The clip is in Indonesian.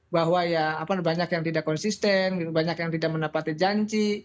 bahwa ya banyak yang tidak konsisten banyak yang tidak mendapati janji